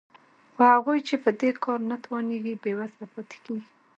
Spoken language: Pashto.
خو هغوی چې په دې کار نه توانېږي بېوزله پاتې کېږي